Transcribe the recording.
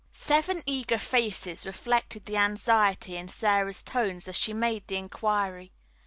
Seven eager faces reflected the anxiety in Sara's tones as she made this inquiry.